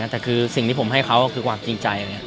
แต่คือสิ่งที่ผมให้เขาคือความจริงใจ